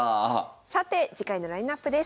さて次回のラインナップです。